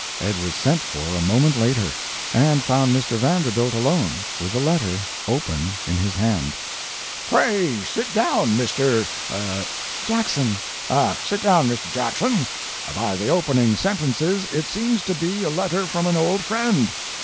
Ed was sent for a moment later, and found Mr. Vanderbilt alone, with the letter open in his hand. "Pray sit down, Mr. er " "Jackson." "Ah sit down, Mr. Jackson. By the opening sentences it seems to be a letter from an old friend.